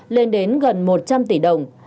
lên đến gần một trăm linh tỷ đồng